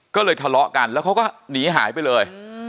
ก็เลยทะเลาะกันแล้วเขาก็หนีหายไปเลย